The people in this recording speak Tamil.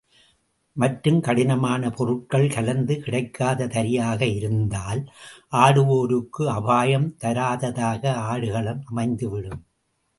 மற்றும் கடினமான பொருட்கள் கலந்து கிடைக்காத தரையாக இருந்தால், ஆடுவோருக்கு அபாயம் தராததாக ஆடுகளம் அமைந்துவிடும்.